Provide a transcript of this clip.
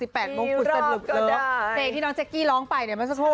พุนนะพุนนะพุนนะเออ